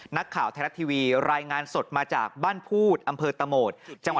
นักข่าวไทยรัฐทีวีรายงานสดมาจากบ้านพูดอำเภอตะโหมด